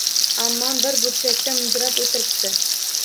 Ammam bir burchakda mudrab o’tiribdi.